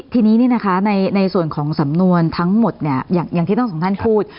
ทีนี้นี่นะคะในส่วนของสำนวนทั้งหมดเนี่ยอย่างที่ต้องของท่านพูด